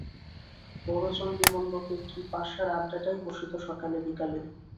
বড় চণ্ডীমণ্ডপে কি পাশার আড্ডাটাই বসিত সকালে বিকালে!